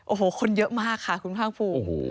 โอ้โหคนเยอะมากค่ะคุณภาคภูมิ